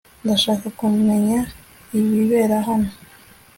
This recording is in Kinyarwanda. Ndashaka kumenya ibibera hano